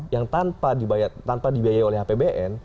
yang tanpa dibayar oleh hpbn